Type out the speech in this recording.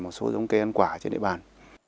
một số giống cây ăn quả trên địa bàn